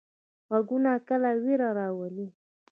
غږونه کله ویره راولي.